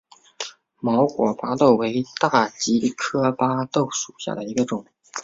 毛果巴豆为大戟科巴豆属下的一个种。